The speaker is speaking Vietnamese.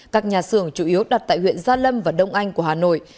các nhà xưởng chủ yếu đặt tại huyện gia lâm và đông anh của hà nội